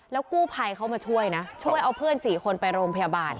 กู้ภัยเขามาช่วยนะช่วยเอาเพื่อน๔คนไปโรงพยาบาล